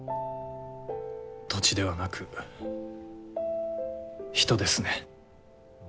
土地ではなく人ですね。